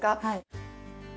はい。